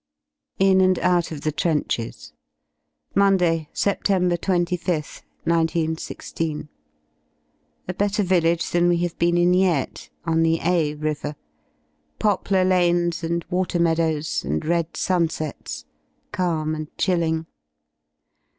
IN AND OUT OF THE TRENCHES Monday y Sept. 25th, 19 16. A better village than we have been in yet, on the A River. Poplar lanes and water meadows, and red sunsets, calm and chilling.